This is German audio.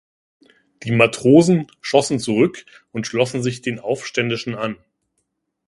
Die Matrosen schossen zurück und schlossen sich den Aufständischen an.